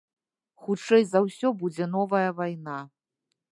Хутчэй за ўсё, будзе новая вайна.